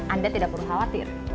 anda tidak perlu khawatir